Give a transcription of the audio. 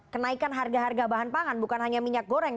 kenaikan harga harga bahan pangan bukan hanya minyak goreng